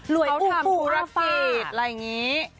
รวยอุ้งปู่รักษีอะไรอย่างนี้ค่ะ